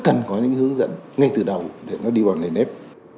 cần có những hướng dẫn ngay từ đầu để nó đi vào nền nếp